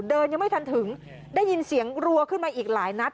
ยังไม่ทันถึงได้ยินเสียงรัวขึ้นมาอีกหลายนัด